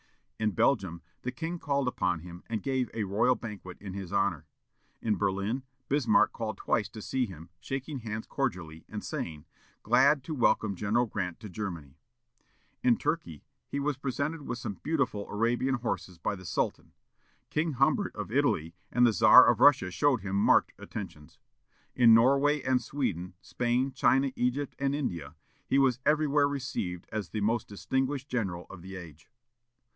In Belgium, the king called upon him, and gave a royal banquet in his honor. In Berlin, Bismarck called twice to see him, shaking hands cordially, and saying, "Glad to welcome General Grant to Germany." In Turkey, he was presented with some beautiful Arabian horses by the Sultan. King Humbert of Italy and the Czar of Russia showed him marked attentions. In Norway and Sweden, Spain, China, Egypt, and India, he was everywhere received as the most distinguished general of the age.